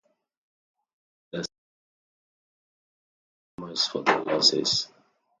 The state government reimbursed farmers for their losses.